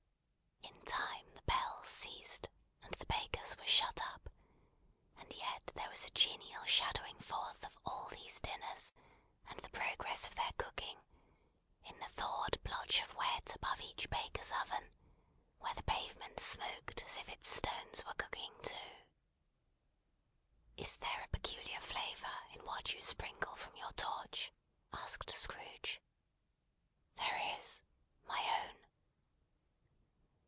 In time the bells ceased, and the bakers were shut up; and yet there was a genial shadowing forth of all these dinners and the progress of their cooking, in the thawed blotch of wet above each baker's oven; where the pavement smoked as if its stones were cooking too. "Is there a peculiar flavour in what you sprinkle from your torch?" asked Scrooge. "There is. My own."